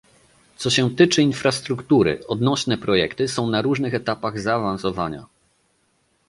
Co się tyczy infrastruktury, odnośne projekty są na różnych etapach zaawansowania